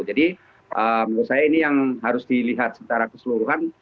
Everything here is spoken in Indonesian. jadi menurut saya ini yang harus dilihat secara keseluruhan